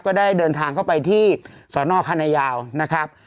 ก็ได้เดินทางเข้าไปที่สนคณะยาวนะครับ